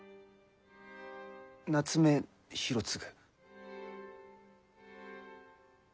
夏目広次。